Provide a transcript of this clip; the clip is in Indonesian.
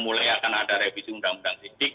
mulai akan ada revisi undang undang sidik